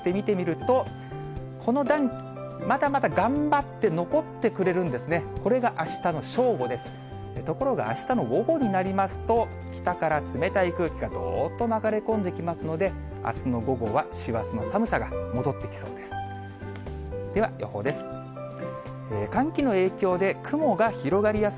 ところがあしたの午後になりますと、北から冷たい空気がどーっと流れ込んできますので、あすの午後は師走の寒さが戻ってきそうです。